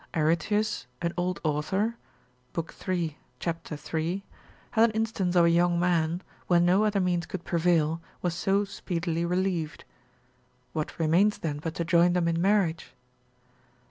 Areteus, an old author, lib. 3. cap. 3. hath an instance of a young man, when no other means could prevail, was so speedily relieved. What remains then but to join them in marriage?